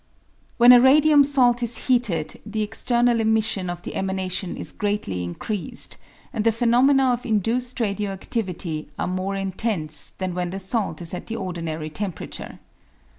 When a radium salt is heated, the external emission of the emanation is greatly increased, and the phenomena of induced radio adtivity are more intense than when the salt is at the ordinary temperature.